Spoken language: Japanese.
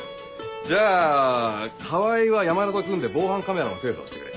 じゃあ川合は山田と組んで防犯カメラの精査をしてくれ。